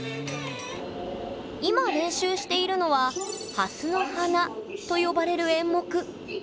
今練習しているのは「ハスの花」と呼ばれる演目。